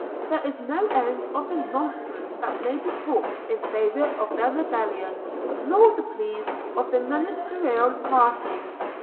There is no end of the nonsense that may be talked in favour of their rebellion, nor the pleas of the ministerial party.